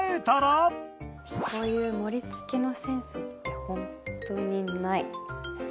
こういう盛り付けのセンスって本当にない。